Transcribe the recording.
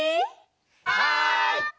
はい！